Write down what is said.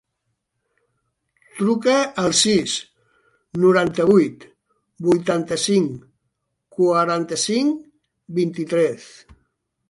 Truca al sis, noranta-vuit, vuitanta-cinc, quaranta-cinc, vint-i-tres.